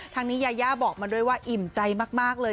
ทางนี้ยายาบอกมาด้วยว่าอิ่มใจมากเลย